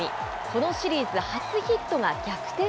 このシリーズ初ヒットが逆転